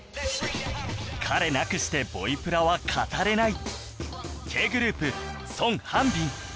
彼なくして『ボイプラ』は語れない